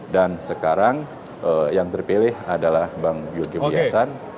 dan sekarang yang terpilih adalah bang yudhoye piyasan